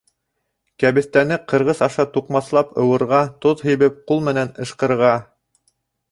Кәбеҫтәне ҡырғыс аша туҡмаслап ыуырға, тоҙ һибеп, ҡул менән ышҡырға.